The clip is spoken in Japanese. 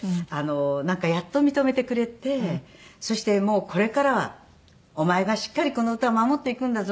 なんかやっと認めてくれてそしてこれからは「お前がしっかりこの歌を守っていくんだぞ」